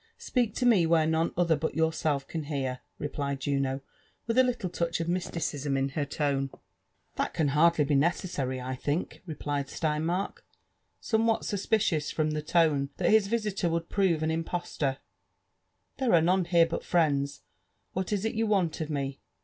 " '^Speak to me where none other but yourself can hear," replied Juno, with a little touch of mysticism in her tone. ^' That can hardly be nece||»ary, I think," replied Steinmark, some what suspicious from the tone that his visitor would prove an impose tor ;there are none here but friends — what is it you want of me